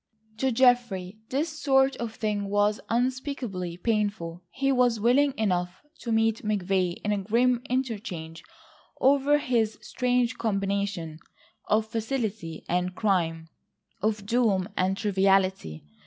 To Geoffrey this sort of thing was unspeakably painful. He was willing enough to meet McVay in a grim interchange over his strange combination of facility and crime, of doom and triviality.